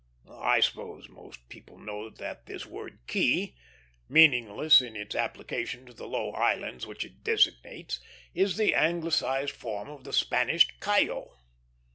I suppose most people know that this word "Key," meaningless in its application to the low islands which it designates, is the anglicized form of the Spanish "Cayo."